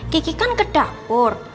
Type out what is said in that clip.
kiki kan ke dapur